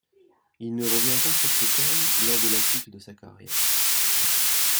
Il ne revient pas sur ce thème lors de la suite de sa carrière.